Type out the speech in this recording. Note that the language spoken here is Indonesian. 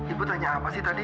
ibu tanya apa sih tadi